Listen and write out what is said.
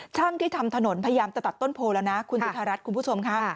ช่างที่ทำถนนพยายามจะตัดต้นโพลแล้วนะคุณจุธารัฐคุณผู้ชมค่ะ